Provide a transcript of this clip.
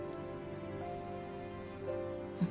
うん。